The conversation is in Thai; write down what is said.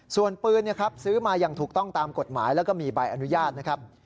ส่วนปืนซื้อมาอย่างถูกต้องตามกฎหมายแล้วก็มีใบอนุญาตนะครับ